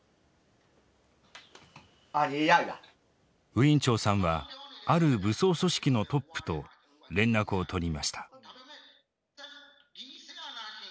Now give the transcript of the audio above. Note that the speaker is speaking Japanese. ウィン・チョウさんはある武装組織のトップと連絡を取りました。